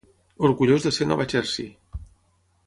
Orgullós de ser Nova Jersey!